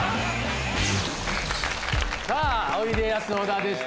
さあおいでやす小田でした。